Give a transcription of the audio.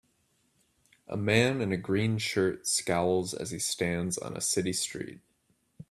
A man in a green shirt scowls as he stands on a city street